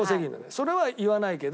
それは言わないけど。